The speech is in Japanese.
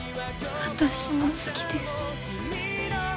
私も好きです。